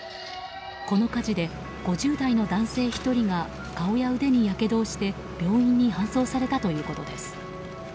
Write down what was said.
この火事で５０代の男性１人が顔や腕にやけどをして病院に搬送されたということです。